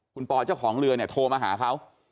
คุณปอเจ้าของเรือเนี่ยโทรมาหาเขา